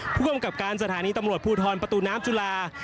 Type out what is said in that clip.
ผู้จำการสถานีตำรวจพพน้ำจุลาลงกร